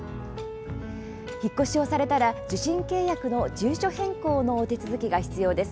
引っ越しをされたら、受信契約の住所変更のお手続きが必要です。